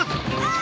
あ！